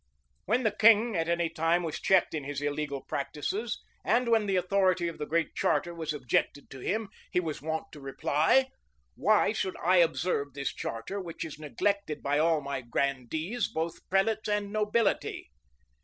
When the king at any time was checked in his illegal practices, and when the authority of the Great Charter was objected to him, he was wont to reply, "Why should I observe this charter, which is neglected by all my grandees, both prelates and nobility?"